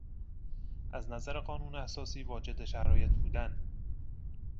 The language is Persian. از نظر قانون اساسی واجد شرایط بودن